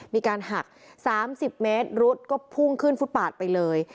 มีการหัก๓๐เมตรรถก็พุ่งขึ้นฟุตปาดไปเลย